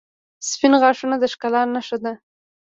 • سپین غاښونه د ښکلا نښه ده.